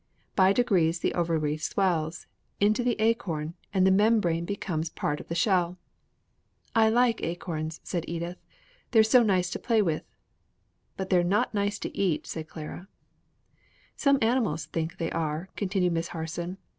By degrees the ovary swells into the acorn and the membrane becomes part of the shell." "I like acorns," said little Edith, "they're so nice to play with." "But they're not nice to eat," said Clara. [Illustration: SQUIRREL AND ACORN] "Some animals think they are," continued Miss Harson.